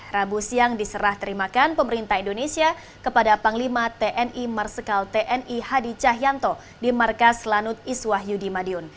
rabu siang diserah terimakan pemerintah indonesia kepada panglima tni marsikal tni hadi cahyanto di markas lanut iswah yudi madiun